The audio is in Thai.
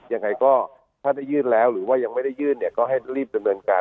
ยังไงก็ถ้าได้ยื่นแล้วหรือว่ายังไม่ได้ยื่นเนี่ยก็ให้รีบดำเนินการ